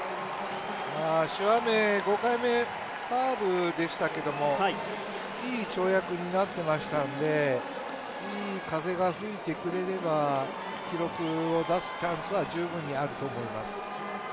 朱亜明、５回目ファウルでしたけど、いい跳躍になってましたんでいい風が吹いてくれれば記録を出すチャンスは十分にあると思います。